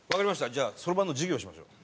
じゃあそろばんの授業しましょう。